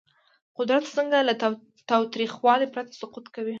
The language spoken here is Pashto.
قدرت څنګه له تاوتریخوالي پرته سقوط کوي؟